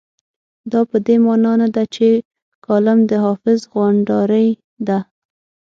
دا په دې مانا نه ده چې کالم د حافظ غونډارۍ ده.